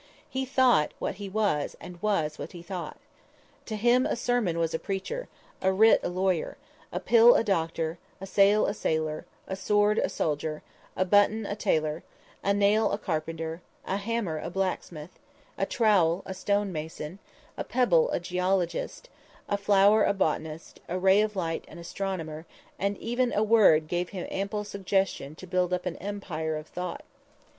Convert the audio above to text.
He thought what he was and was what he thought! To him a sermon was a preacher, a writ a lawyer, a pill a doctor, a sail a sailor, a sword a soldier, a button a tailor, a nail a carpenter, a hammer a blacksmith, a trowel a stone mason, a pebble a geologist, a flower a botanist, a ray of light an astronomer, and even a word gave him ample suggestion to build up an empire of thought.